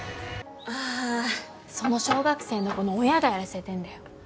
ああその小学生の子の親がやらせてんだよ